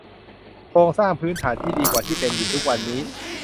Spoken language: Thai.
โครงสร้างพื้นฐานที่ดีกว่าที่เป็นอยู่ทุกวันนี้